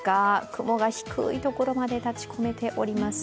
雲が低いところまで立ちこめています。